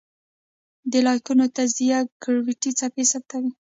د لایګو تجربه ګرویتي څپې ثبتوي.